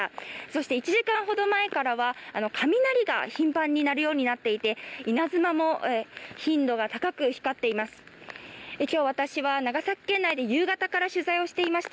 そして１時間ほど前からは雷が頻繁に鳴るようになっていて稲妻も頻度が高く光っています。